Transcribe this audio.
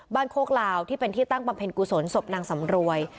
บ้านโคกลาวที่เป็นที่ตั้งประเภทกุศลศพนางสำรวย